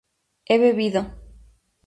he bebido